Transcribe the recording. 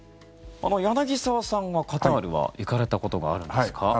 柳澤さんが、カタールは行かれたことがあるんですか。